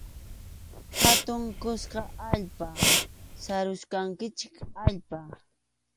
Hatun kuska allpa, sarusqanchik allpa.